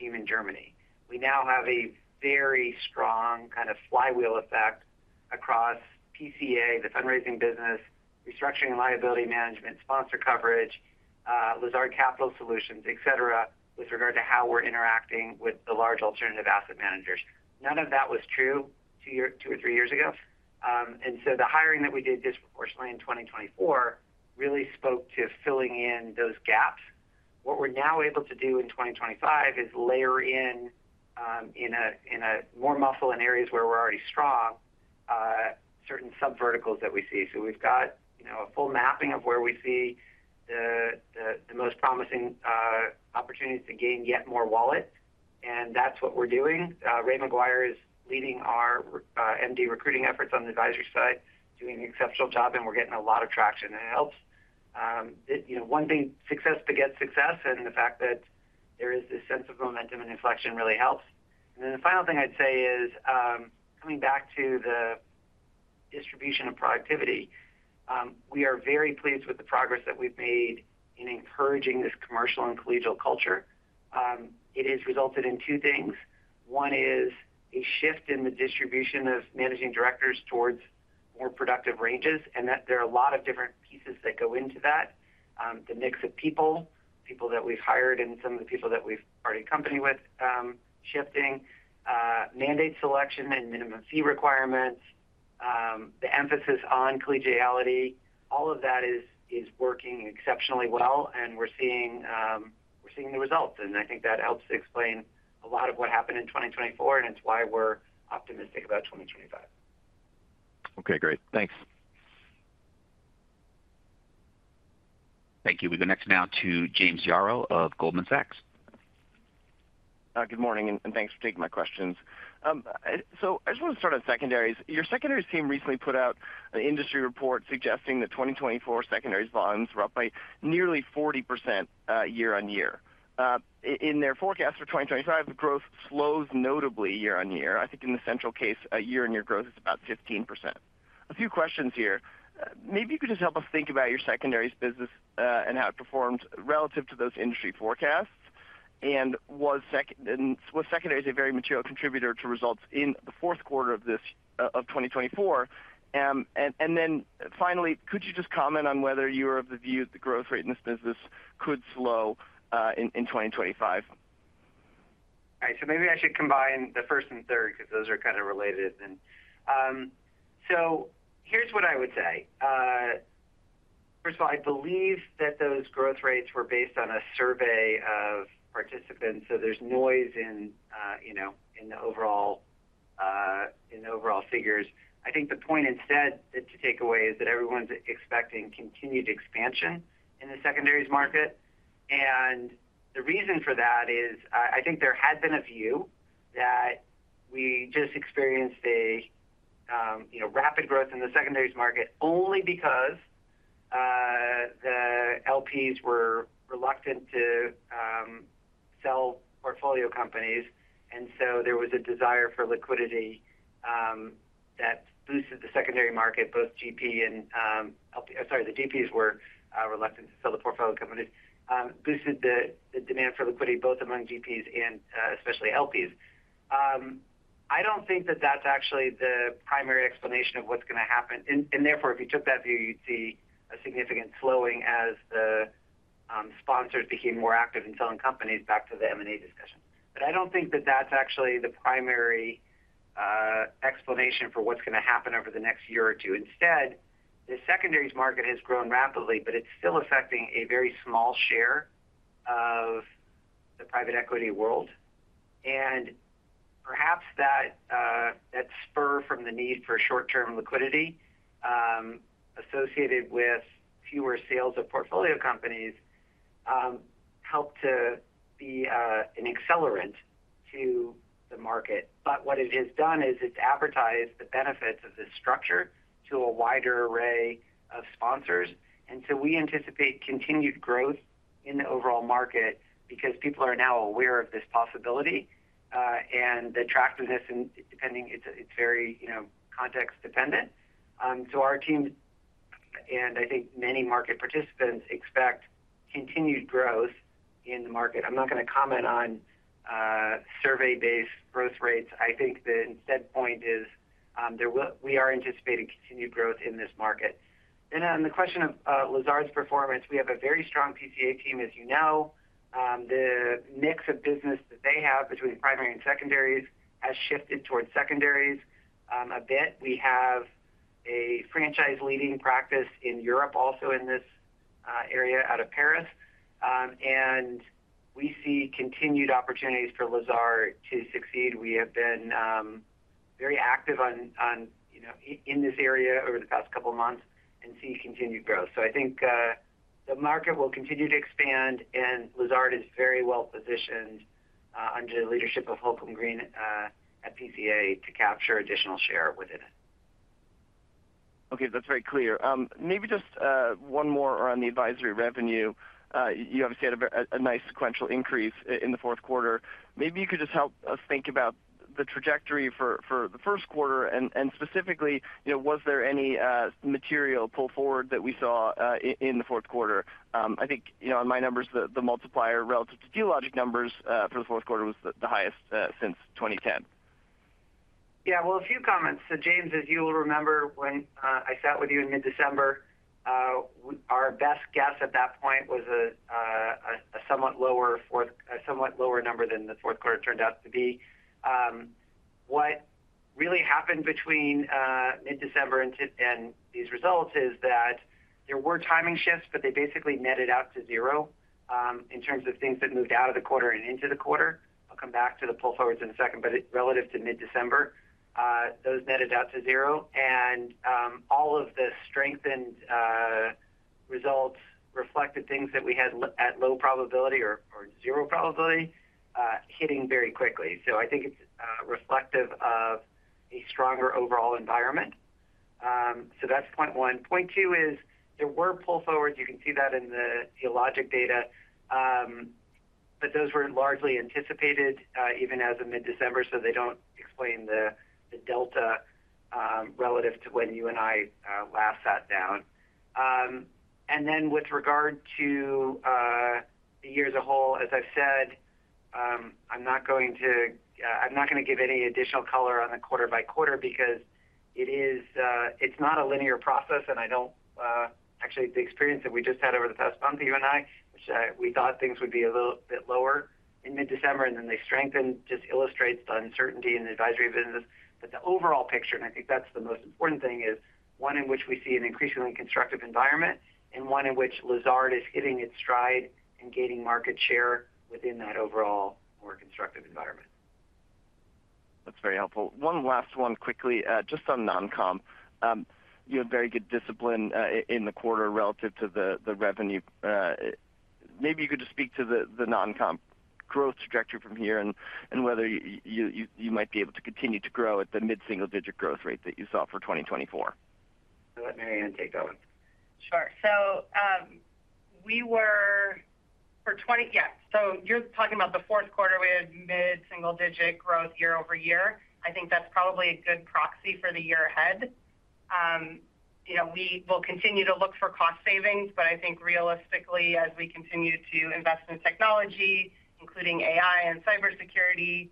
team in Germany. We now have a very strong kind of flywheel effect across PCA, the fundraising business, restructuring and liability management, sponsor coverage, Lazard Capital Solutions, etc., with regard to how we're interacting with the large alternative asset managers. None of that was true two or three years ago. And so the hiring that we did disproportionately in 2024 really spoke to filling in those gaps. What we're now able to do in 2025 is layer in more muscle in areas where we're already strong, certain subverticals that we see. So we've got a full mapping of where we see the most promising opportunities to gain yet more wallet. And that's what we're doing. Ray McGuire is leading our MD recruiting efforts on the Advisory side, doing an exceptional job, and we're getting a lot of traction. And it helps. One thing, success begets success, and the fact that there is this sense of momentum and inflection really helps. And then the final thing I'd say is coming back to the distribution of productivity, we are very pleased with the progress that we've made in encouraging this commercial and collegial culture. It has resulted in two things. One is a shift in the distribution of managing directors towards more productive ranges, and that there are a lot of different pieces that go into that. The mix of people, people that we've hired and some of the people that we've already accompanied with shifting, mandate selection and minimum fee requirements, the emphasis on collegiality, all of that is working exceptionally well, and we're seeing the results, and I think that helps to explain a lot of what happened in 2024, and it's why we're optimistic about 2025. Okay. Great. Thanks. Thank you. We go next now to James Yaro of Goldman Sachs. Good morning, and thanks for taking my questions. So I just want to start on secondaries. Your secondaries team recently put out an industry report suggesting that 2024 secondaries volumes were up by nearly 40% year on year. In their forecast for 2025, growth slows notably year on year. I think in the central case, year-on-year growth is about 15%. A few questions here. Maybe you could just help us think about your secondaries business and how it performed relative to those industry forecasts. And was secondaries a very material contributor to results in the fourth quarter of 2024? And then finally, could you just comment on whether you were of the view that the growth rate in this business could slow in 2025? All right. So maybe I should combine the first and third because those are kind of related. So here's what I would say. First of all, I believe that those growth rates were based on a survey of participants. So there's noise in the overall figures. I think the point instead to take away is that everyone's expecting continued expansion in the secondaries market. And the reason for that is I think there had been a view that we just experienced a rapid growth in the secondaries market only because the LPs were reluctant to sell portfolio companies. And so there was a desire for liquidity that boosted the secondary market, both GP and sorry, the DPs were reluctant to sell the portfolio companies, boosted the demand for liquidity both among GPs and especially LPs. I don't think that that's actually the primary explanation of what's going to happen. And therefore, if you took that view, you'd see a significant slowing as the sponsors became more active in selling companies back to the M&A discussion. But I don't think that that's actually the primary explanation for what's going to happen over the next year or two. Instead, the secondaries market has grown rapidly, but it's still affecting a very small share of the private equity world. And perhaps that spur from the need for short-term liquidity associated with fewer sales of portfolio companies helped to be an accelerant to the market. But what it has done is it's advertised the benefits of this structure to a wider array of sponsors. And so we anticipate continued growth in the overall market because people are now aware of this possibility and the attractiveness, and it's very context-dependent. So our team, and I think many market participants, expect continued growth in the market. I'm not going to comment on survey-based growth rates. I think the main point is we are anticipating continued growth in this market. And on the question of Lazard's performance, we have a very strong PCA team, as you know. The mix of business that they have between primary and secondaries has shifted towards secondaries a bit. We have a franchise-leading practice in Europe also in this area out of Paris. And we see continued opportunities for Lazard to succeed. We have been very active in this area over the past couple of months and see continued growth. So I think the market will continue to expand, and Lazard is very well positioned under the leadership of Holcombe Green at PCA to capture additional share within it. Okay. That's very clear. Maybe just one more on the Advisory revenue. You obviously had a nice sequential increase in the fourth quarter. Maybe you could just help us think about the trajectory for the first quarter and specifically, was there any material pull forward that we saw in the fourth quarter? I think on my numbers, the multiplier relative to Dealogic numbers for the fourth quarter was the highest since 2010. Yeah. Well, a few comments. So James, as you will remember, when I sat with you in mid-December, our best guess at that point was a somewhat lower number than the fourth quarter turned out to be. What really happened between mid-December and these results is that there were timing shifts, but they basically netted out to zero in terms of things that moved out of the quarter and into the quarter. I'll come back to the pull forwards in a second, but relative to mid-December, those netted out to zero. And all of the strengthened results reflected things that we had at low probability or zero probability hitting very quickly. So I think it's reflective of a stronger overall environment. So that's point one. Point two is there were pull forwards. You can see that in the Dealogic data, but those were largely anticipated even as of mid-December, so they don't explain the delta relative to when you and I last sat down. And then with regard to the year as a whole, as I've said, I'm not going to give any additional color on the quarter-by-quarter because it's not a linear process. And I don't actually forget the experience that we just had over the past month, you and I, which we thought things would be a little bit lower in mid-December, and then they strengthened just illustrates the uncertainty in the Advisory business. But the overall picture, and I think that's the most important thing, is one in which we see an increasingly constructive environment and one in which Lazard is hitting its stride and gaining market share within that overall more constructive environment. That's very helpful. One last one quickly, just on non-comp. You had very good discipline in the quarter relative to the revenue. Maybe you could just speak to the non-comp growth trajectory from here and whether you might be able to continue to grow at the mid-single-digit growth rate that you saw for 2024. Go ahead, Mary Ann take that one. Sure. You're talking about the fourth quarter, we had mid-single-digit growth year-over-year. I think that's probably a good proxy for the year ahead. We will continue to look for cost savings, but I think realistically, as we continue to invest in technology, including AI and cybersecurity,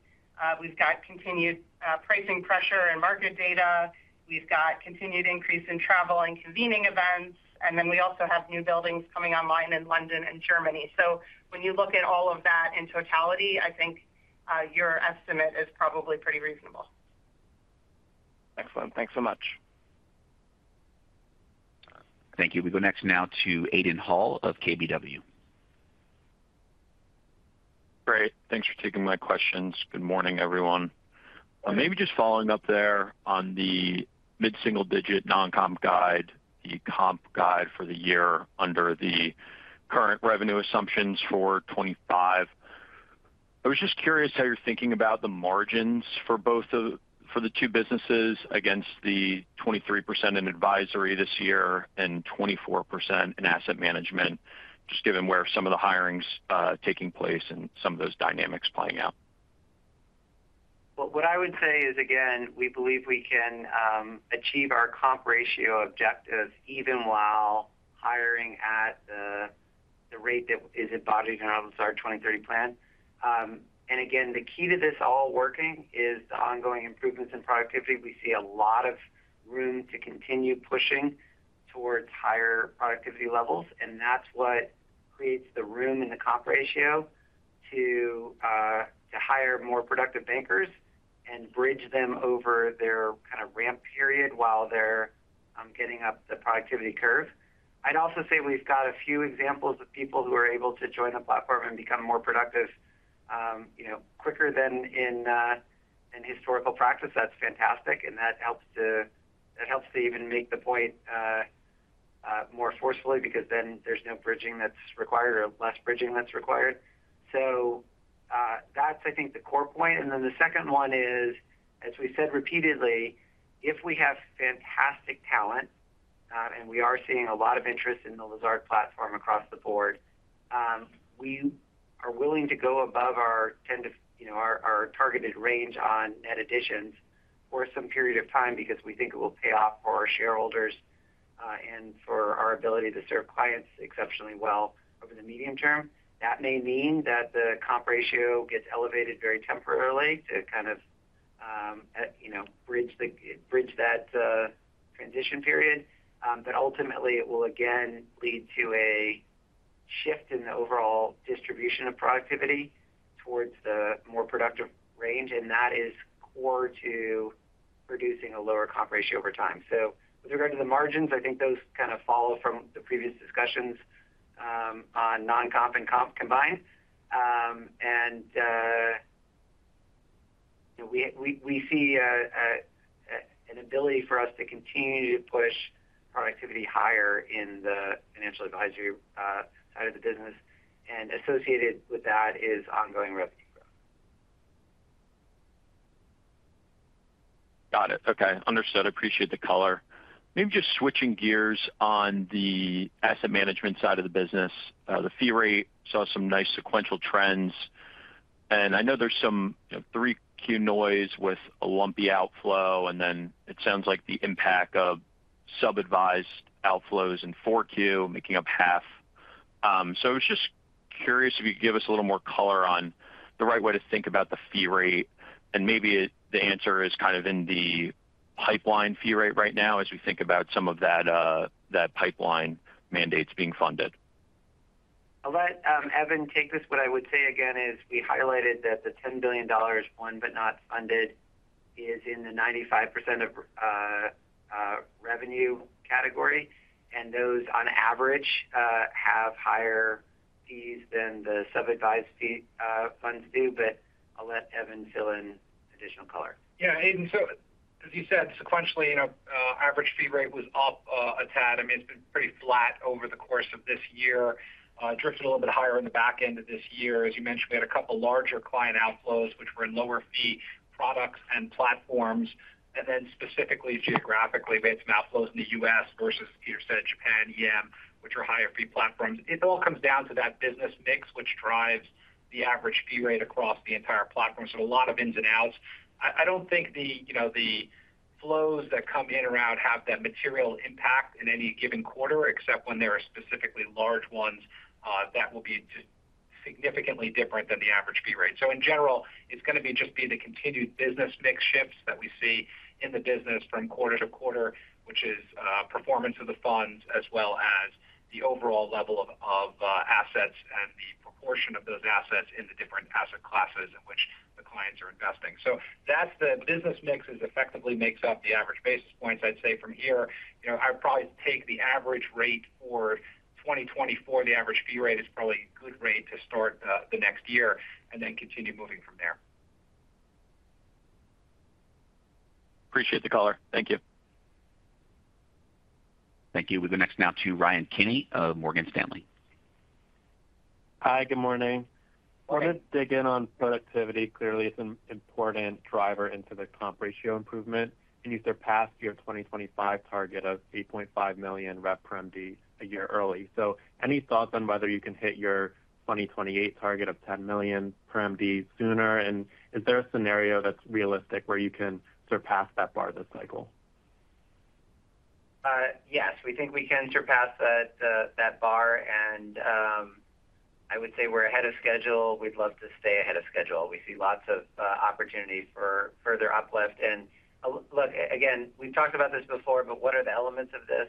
we've got continued pricing pressure and market data. We've got continued increase in travel and convening events. We also have new buildings coming online in London and Germany. When you look at all of that in totality, I think your estimate is probably pretty reasonable. Excellent. Thanks so much. Thank you. We go next now to Aidan Hall of KBW. Great. Thanks for taking my questions. Good morning, everyone. Maybe just following up there on the mid-single-digit non-comp guide, the comp guide for the year under the current revenue assumptions for 2025. I was just curious how you're thinking about the margins for the two businesses against the 23% in Advisory this year and 24% in asset management, just given where some of the hiring's taking place and some of those dynamics playing out. Well, what I would say is, again, we believe we can achieve our comp ratio objectives even while hiring at the rate that is embodied in our Lazard 2030 plan. And again, the key to this all working is the ongoing improvements in productivity. We see a lot of room to continue pushing towards higher productivity levels. And that's what creates the room in the comp ratio to hire more productive bankers and bridge them over their kind of ramp period while they're getting up the productivity curve. I'd also say we've got a few examples of people who are able to join a platform and become more productive quicker than in historical practice. That's fantastic. And that helps to even make the point more forcefully because then there's no bridging that's required or less bridging that's required. So that's, I think, the core point. And then the second one is, as we said repeatedly, if we have fantastic talent and we are seeing a lot of interest in the Lazard platform across the board, we are willing to go above our targeted range on net additions for some period of time because we think it will pay off for our shareholders and for our ability to serve clients exceptionally well over the medium-term. That may mean that the comp ratio gets elevated very temporarily to kind of bridge that transition period. But ultimately, it will again lead to a shift in the overall distribution of productivity towards the more productive range. And that is core to producing a lower comp ratio over time. So with regard to the margins, I think those kind of follow from the previous discussions on non-comp and comp combined. And we see an ability for us to continue to push productivity higher in the Financial Advisory side of the business. And associated with that is ongoing revenue growth. Got it. Okay. Understood. Appreciate the color. Maybe just switching gears on the asset management side of the business. The fee rate saw some nice sequential trends, and I know there's some 3Q noise with a lumpy outflow, and then it sounds like the impact of sub-advised outflows in 4Q making up half, so I was just curious if you could give us a little more color on the right way to think about the fee rate, and maybe the answer is kind of in the pipeline fee rate right now as we think about some of that pipeline mandates being funded. I'll let Evan take this. What I would say again is we highlighted that the $10 billion won but not funded is in the 95% of revenue category and those on average have higher fees than the sub-advised fee funds do, but I'll let Evan fill in additional color. Yeah. Aidan, so as you said, sequentially, average fee rate was up a tad. I mean, it's been pretty flat over the course of this year, drifted a little bit higher in the back end of this year. As you mentioned, we had a couple of larger client outflows, which were in lower fee products and platforms. And then specifically geographically, we had some outflows in the U.S. versus, as Peter said, Japan, EM, which are higher fee platforms. It all comes down to that business mix, which drives the average fee rate across the entire platform. So a lot of ins and outs. I don't think the flows that come in and around have that material impact in any given quarter, except when there are specifically large ones that will be significantly different than the average fee rate. So in general, it's going to just be the continued business mix shifts that we see in the business from quarter to quarter, which is performance of the funds as well as the overall level of assets and the proportion of those assets in the different asset classes in which the clients are investing. So that's the business mix that effectively makes up the average basis points. I'd say from here, I'd probably take the average rate for 2024. The average fee rate is probably a good rate to start the next year and then continue moving from there. Appreciate the color. Thank you. Thank you. We go next now to Ryan Kenny of Morgan Stanley. Hi. Good morning. Morning. Want to dig in on productivity. Clearly, it's an important driver into the comp ratio improvement. And you surpassed your 2025 target of $8.5 million Rev per MD a year early. So any thoughts on whether you can hit your 2028 target of $10 million per MD sooner? And is there a scenario that's realistic where you can surpass that bar this cycle? Yes. We think we can surpass that bar. I would say we're ahead of schedule. We'd love to stay ahead of schedule. We see lots of opportunity for further uplift. Look, again, we've talked about this before, but what are the elements of this?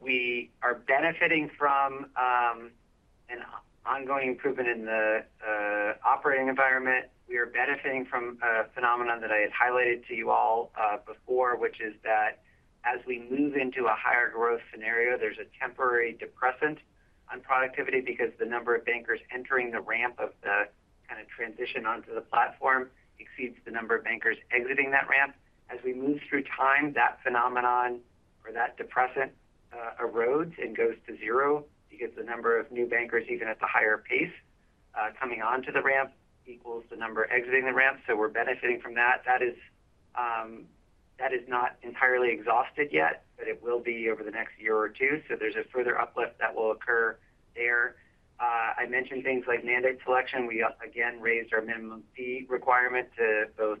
We are benefiting from an ongoing improvement in the operating environment. We are benefiting from a phenomenon that I had highlighted to you all before, which is that as we move into a higher growth scenario, there's a temporary depressant on productivity because the number of bankers entering the ramp of the kind of transition onto the platform exceeds the number of bankers exiting that ramp. As we move through time, that phenomenon or that depressant erodes and goes to zero because the number of new bankers, even at the higher pace, coming onto the ramp equals the number exiting the ramp. So we're benefiting from that. That is not entirely exhausted yet, but it will be over the next year or two. So there's a further uplift that will occur there. I mentioned things like mandate selection. We again raised our minimum fee requirement to both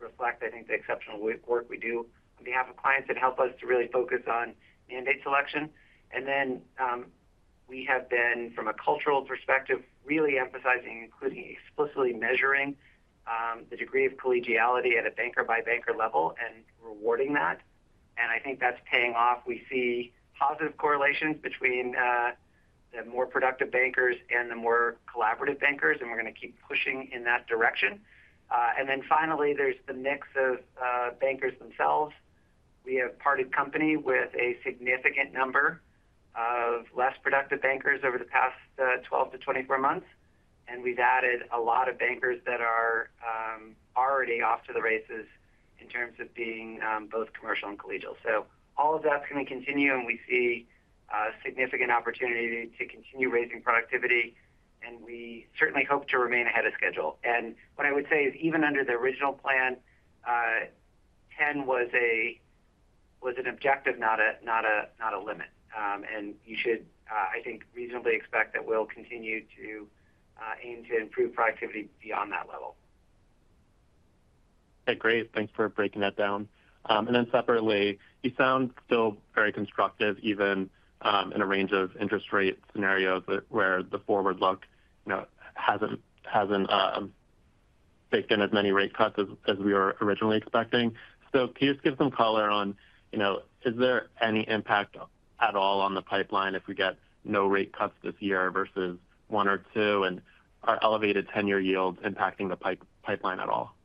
reflect, I think, the exceptional work we do on behalf of clients that help us to really focus on mandate selection. And then we have been, from a cultural perspective, really emphasizing including explicitly measuring the degree of collegiality at a banker-by-banker level and rewarding that. And I think that's paying off. We see positive correlations between the more productive bankers and the more collaborative bankers. And we're going to keep pushing in that direction. And then finally, there's the mix of bankers themselves. We have parted company with a significant number of less productive bankers over the past 12 to 24 months. And we've added a lot of bankers that are already off to the races in terms of being both commercial and collegial. So all of that's going to continue. And we see significant opportunity to continue raising productivity. And we certainly hope to remain ahead of schedule. And what I would say is even under the original plan, 10 was an objective, not a limit. And you should, I think, reasonably expect that we'll continue to aim to improve productivity beyond that level. Okay. Great. Thanks for breaking that down. And then separately, you sound still very constructive even in a range of interest rate scenarios where the forward look hasn't baked in as many rate cuts as we were originally expecting. So can you just give some color on, is there any impact at all on the pipeline if we get no rate cuts this year versus one or two? And are elevated 10-year yields impacting the pipeline at all?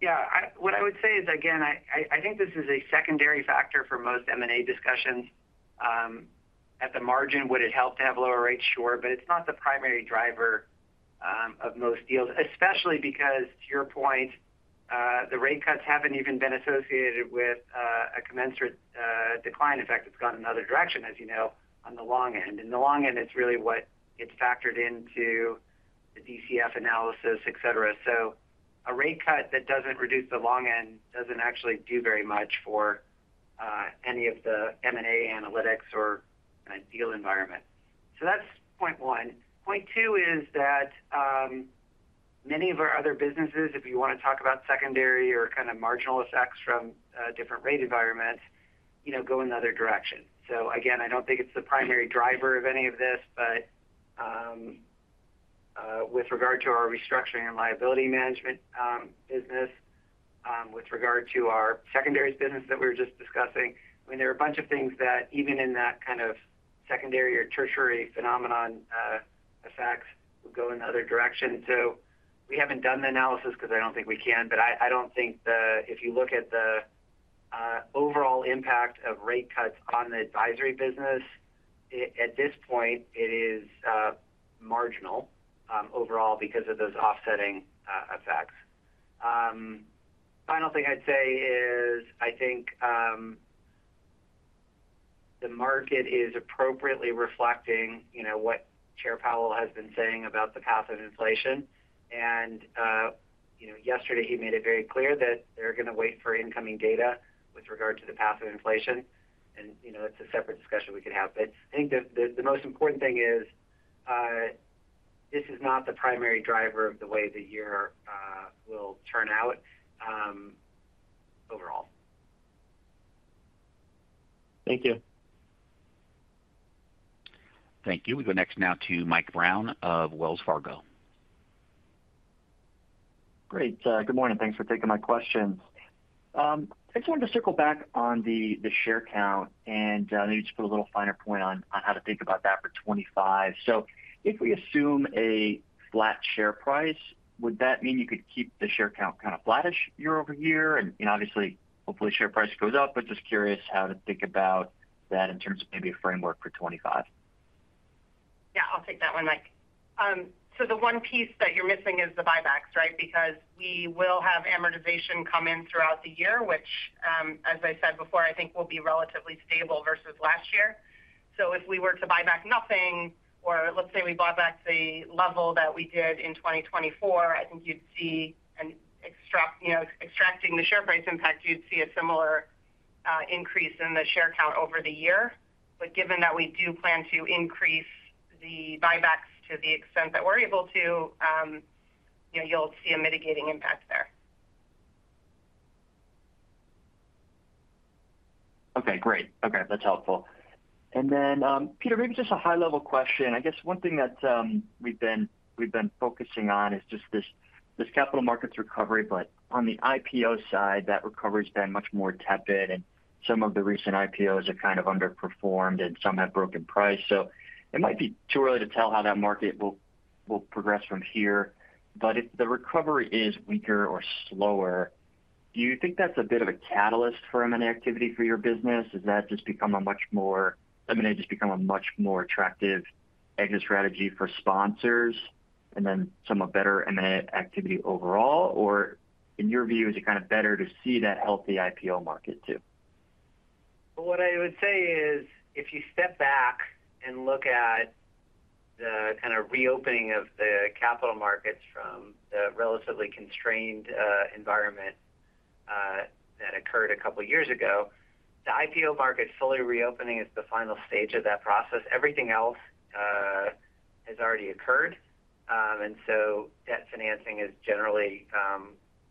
Yeah. What I would say is, again, I think this is a secondary factor for most M&A discussions. At the margin, would it help to have lower rates? Sure. But it's not the primary driver of most deals, especially because, to your point, the rate cuts haven't even been associated with a commensurate decline. In fact, it's gone in another direction, as you know, on the long end, and the long end is really what gets factored into the DCF analysis, etc., so a rate cut that doesn't reduce the long end doesn't actually do very much for any of the M&A analytics or deal environment, so that's point one. Point two is that many of our other businesses, if you want to talk about secondary or kind of marginal effects from different rate environments, go in another direction. So again, I don't think it's the primary driver of any of this. But with regard to our restructuring and liability management business, with regard to our secondary business that we were just discussing, I mean, there are a bunch of things that even in that kind of secondary or tertiary phenomenon effects would go in another direction. So we haven't done the analysis because I don't think we can. But I don't think if you look at the overall impact of rate cuts on the Advisory business, at this point, it is marginal overall because of those offsetting effects. Final thing I'd say is, I think the market is appropriately reflecting what Chair Powell has been saying about the path of inflation. And yesterday, he made it very clear that they're going to wait for incoming data with regard to the path of inflation. And that's a separate discussion we could have. But I think the most important thing is this is not the primary driver of the way the year will turn out overall. Thank you. Thank you. We go next now to Mike Brown of Wells Fargo. Great. Good morning. Thanks for taking my questions. I just wanted to circle back on the share count and maybe just put a little finer point on how to think about that for 2025. So if we assume a flat share price, would that mean you could keep the share count kind of flattish year-over-year? And obviously, hopefully, share price goes up. But just curious how to think about that in terms of maybe a framework for 2025? Yeah. I'll take that one, Mike. So the one piece that you're missing is the buybacks, right? Because we will have amortization come in throughout the year, which, as I said before, I think will be relatively stable versus last year. So if we were to buy back nothing or let's say we bought back the level that we did in 2024, I think you'd see extracting the share price impact, you'd see a similar increase in the share count over the year. But given that we do plan to increase the buybacks to the extent that we're able to, you'll see a mitigating impact there. Okay. Great. Okay. That's helpful. And then, Peter, maybe just a high-level question. I guess one thing that we've been focusing on is just this capital markets recovery. But on the IPO side, that recovery has been much more tepid. And some of the recent IPOs have kind of underperformed, and some have broken price. So it might be too early to tell how that market will progress from here. But if the recovery is weaker or slower, do you think that's a bit of a catalyst for M&A activity for your business? Does that just make M&A a much more attractive exit strategy for sponsors and then some better M&A activity overall? Or in your view, is it kind of better to see that healthy IPO market too? What I would say is if you step back and look at the kind of reopening of the capital markets from the relatively constrained environment that occurred a couple of years ago, the IPO market fully reopening is the final stage of that process. Everything else has already occurred. And so debt financing is generally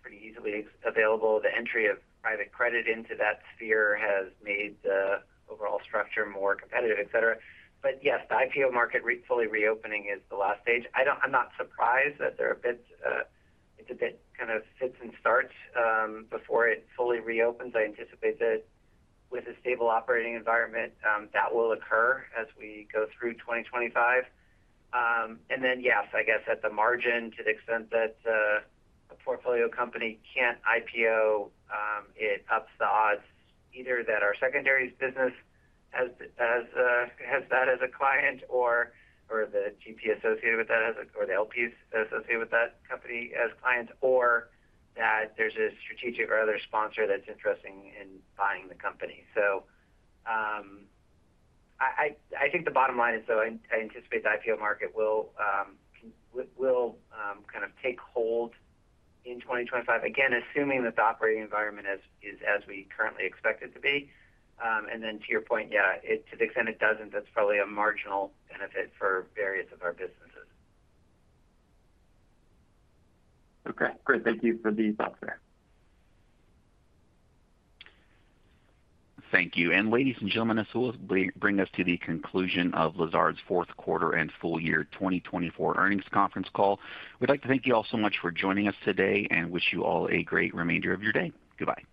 pretty easily available. The entry of private credit into that sphere has made the overall structure more competitive, etc. But yes, the IPO market fully reopening is the last stage. I'm not surprised that it's a bit kind of fits and starts before it fully reopens. I anticipate that with a stable operating environment, that will occur as we go through 2025. Then, yes, I guess at the margin, to the extent that a portfolio company can't IPO, it ups the odds either that our secondary business has that as a client or the GP associated with that or the LP associated with that company as a client or that there's a strategic or other sponsor that's interesting in buying the company. So I think the bottom line is, though, I anticipate the IPO market will kind of take hold in 2025, again, assuming that the operating environment is as we currently expect it to be. And then to your point, yeah, to the extent it doesn't, that's probably a marginal benefit for various of our businesses. Okay. Great. Thank you for the thoughts there. Thank you, and ladies and gentlemen, this will bring us to the conclusion of Lazard's fourth quarter and full year 2024 earnings conference call. We'd like to thank you all so much for joining us today and wish you all a great remainder of your day. Goodbye.